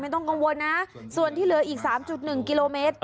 ต้องกังวลนะส่วนที่เหลืออีก๓๑กิโลเมตร